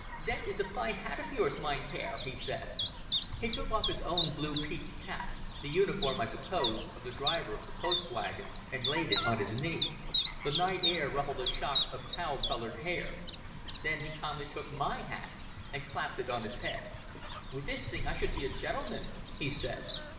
"That is a fine hat of yours, mein Herr," he said. He took off his own blue peaked cap, the uniform, I suppose, of the driver of the post wagon, and laid it on his knee. The night air ruffled a shock of tow coloured hair. Then he calmly took my hat and clapped it on his head. "With this thing I should be a gentleman," he said.